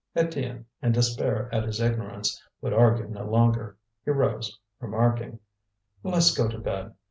Étienne, in despair at his ignorance, would argue no longer. He rose, remarking: "Let's go to bed.